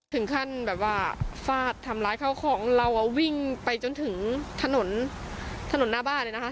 ถึงขั้นฝาดทำร้ายข้าวของเราวิ่งไปจนถึงถนนหน้าบ้าน